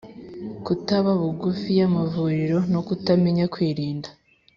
kutaba bugufi y’amavuriro no kutamenya kwirinda,